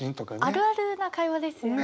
あるあるな会話ですよね。